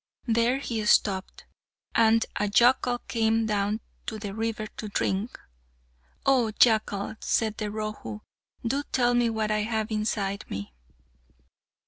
There he stopped. And a jackal came down to the river to drink. "Oh, jackal," said the Rohu, "do tell me what I have inside me."